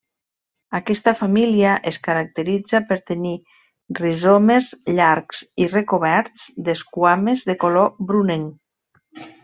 Aquesta família es caracteritza per tenir rizomes llargs i recoberts d'esquames de color brunenc.